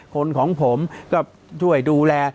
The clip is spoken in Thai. คนของผมก็ช่วยดูแล